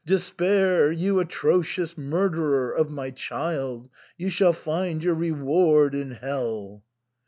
" Despair, you atrocious murderer of my child. You shall find your reward in hell."